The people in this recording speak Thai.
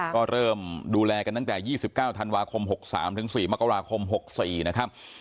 ก็เริ่มดูแลกันตั้งแต่๒๙ธันวาคม๖๓๔มกราคม๖๔นะครับ